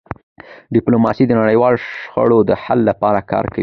ډيپلوماسي د نړیوالو شخړو د حل لپاره کار کوي.